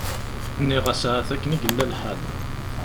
Nniɣ-as ahat akken i yella lḥal.